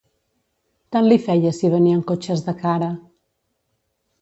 Tant li feia si venien cotxes de cara.